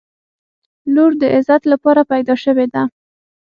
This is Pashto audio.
• لور د عزت لپاره پیدا شوې ده.